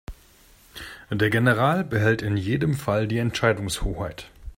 Der General behält in jedem Fall die Entscheidungshoheit.